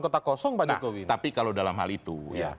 kota kosong pak jokowi tapi kalau dalam hal itu